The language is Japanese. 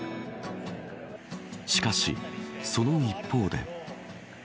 しかし、その一方で。